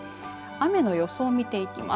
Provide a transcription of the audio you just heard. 雨の予想を見ていきます。